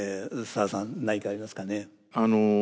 澤さん何かありますかね？